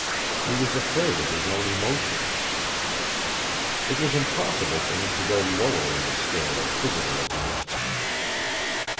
He was afraid of his own emotions. It was impossible for him to go lower in the scale of physical events.